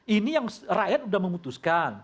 ini yang rakyat sudah memutuskan